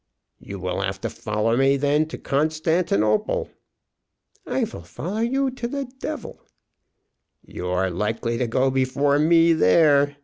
"You will have to follow me to Constantinople, then." "I vill follow you to the devil." "You are likely to go before me there.